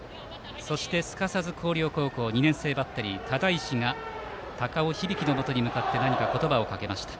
そしてすかさず広陵の２年生バッテリー只石が高尾響のもとへ向かって何か言葉をかけました。